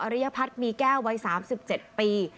สาวอริยพัฒน์มีแก้วไว้๓๗ปี